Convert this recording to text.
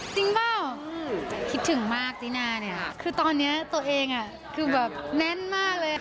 จริงเปล่าคิดถึงมากตินาเนี่ยค่ะคือตอนนี้ตัวเองคือแบบแน่นมากเลยค่ะ